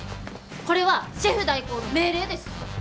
これはシェフ代行の命令です！